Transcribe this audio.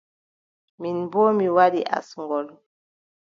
Min boo mi waɗi asngol.